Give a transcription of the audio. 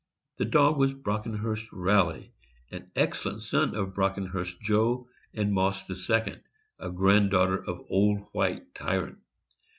The dog was Brockenhurst Rally, an excellent son of Brockenhurst Joe and Moss II., a grand daughter of Old White Tyrant.